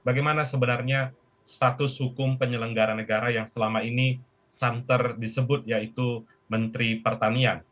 bagaimana sebenarnya status hukum penyelenggara negara yang selama ini santer disebut yaitu menteri pertanian